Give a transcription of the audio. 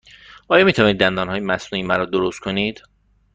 آیا می توانید دندانهای مصنوعی مرا درست کنید؟